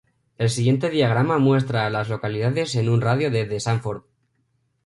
El siguiente diagrama muestra a las localidades en un radio de de Sanford.